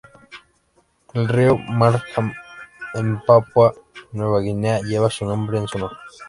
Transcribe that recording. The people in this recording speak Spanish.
El río Markham en Papúa Nueva Guinea lleva su nombre en su honor.